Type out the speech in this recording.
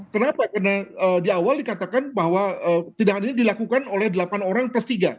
kenapa karena di awal dikatakan bahwa tindakan ini dilakukan oleh delapan orang plus tiga